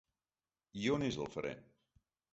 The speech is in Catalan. I on és el fre?